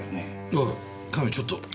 おい亀ちょっと。